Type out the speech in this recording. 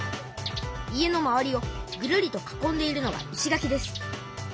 家の周りをぐるりと囲んでいるのが石垣です。